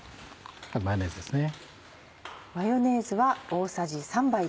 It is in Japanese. マヨネーズですね。